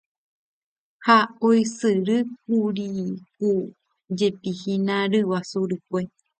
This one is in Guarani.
ha oisyrykuryku jepi hína ryguasu rykue